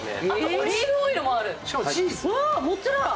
オリーブオイルもある。